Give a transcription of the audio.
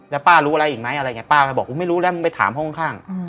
แล้วป้ารู้อะไรอีกไหมป้าก็บอกว่าไม่รู้แล้วไปถามห้องข้าง